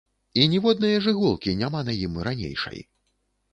І ніводнае ж іголкі няма на ім ранейшай.